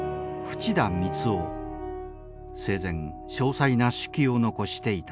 生前詳細な手記を残していた。